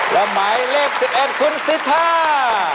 และหมายเลข๑๑คุณสิทธา